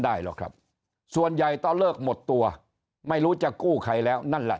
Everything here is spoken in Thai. หรอกครับส่วนใหญ่ตอนเลิกหมดตัวไม่รู้จะกู้ใครแล้วนั่นแหละ